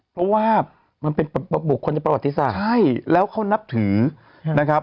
เพราะว่ามันเป็นบุคคลในประวัติศาสตร์ใช่แล้วเขานับถือนะครับ